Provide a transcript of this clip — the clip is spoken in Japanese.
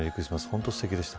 本当にすてきでした。